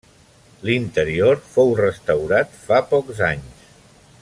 L'interior fou restaurat fa pocs anys.